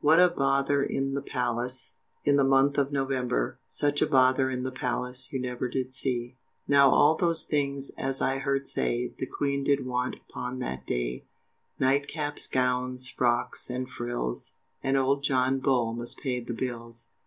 What a bother in the palace, In the month of November, Such a bother in the palace You never did see. Now all those things, as I heard say, The Queen did want upon that day, Night caps, gowns, frocks, and frills, And old John Bull must pay the bills.